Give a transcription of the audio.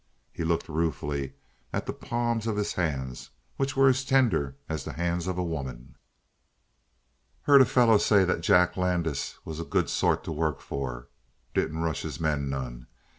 He looked ruefully at the palms of his hands which were as tender as the hands of a woman. "Heard a fellow say that Jack Landis was a good sort to work for didn't rush his men none.